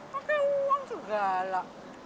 pakai uang segala